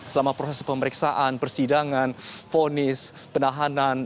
selama proses pemeriksaan persidangan ponis penahanan